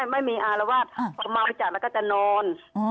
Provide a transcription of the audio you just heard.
ไม่มีอารวาสพอเมาจัดแล้วก็จะนอน